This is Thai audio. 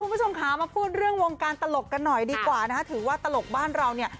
คุณผู้ชมค่ะมาพูดเรื่องวงการตลกกันหน่อยดีกว่านะฮะถือว่าตลกบ้านเราเนี่ย